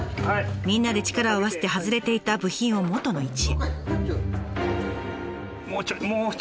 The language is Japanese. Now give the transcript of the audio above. みんなで力を合わせて外れていた部品を元の位置へ。